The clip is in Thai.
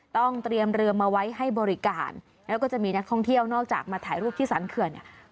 ต้องเตรียมเรือมาไว้ให้บริการแล้วก็จะมีนักท่องเที่ยวนอกจากมาถ่ายรูปที่สรรเขื่อนเนี่ย